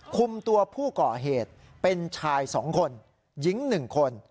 คุมตัวผู้ก่อเหตุเป็นชายสองคนหญิงหนึ่งคน